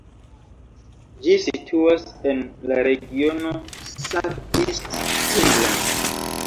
Ĝi situas en la regiono South East England.